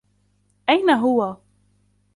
أين هو ؟